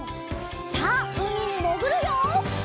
さあうみにもぐるよ！